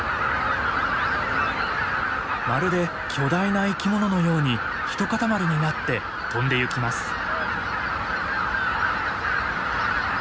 まるで巨大な生き物のように一塊になって飛んでゆきます。